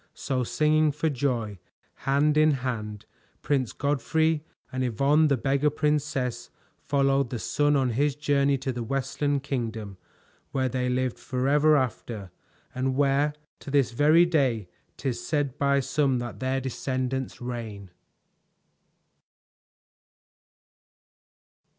So singing for joy, hand in hand, Prince Godfrey and Yvonne the Beggar Princess followed the sun on his journey to the Westland Kingdom, where they lived forever after, and where to this very day 'tis said by some that their descendants reign.